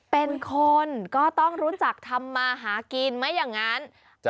เป็นคนก็ต้องรู้จักทำมาหากินไม่อย่างนั้น